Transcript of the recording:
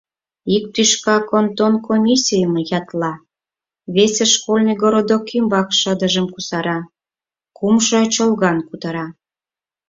Ик тӱшка кантон комиссийым ятла, весе школьный городок ӱмбак шыдыжым кусара, кумшо чолган кутыра: